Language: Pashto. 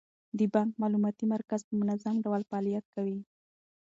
د بانک معلوماتي مرکز په منظم ډول فعالیت کوي.